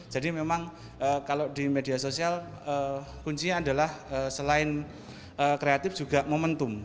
jadi memang kalau di media sosial kuncinya adalah selain kreatif juga momentum